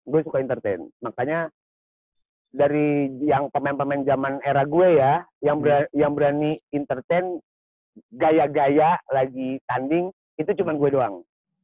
gue suka entertain makanya dari yang pemain pemain zaman era gue ya yang berani entertain gaya gaya lagi tanding itu cuma gue doang